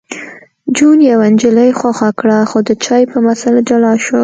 جون یوه نجلۍ خوښه کړه خو د چای په مسله جلا شول